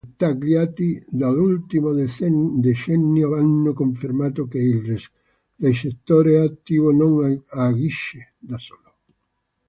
Studi dettagliati dell'ultimo decennio hanno confermato che il recettore attivo non agisce da solo.